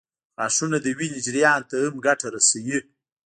غاښونه د وینې جریان ته هم ګټه رسوي.